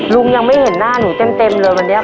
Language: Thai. ลุงยังไม่เห็นหน้าหนูเต็มเลยวันนี้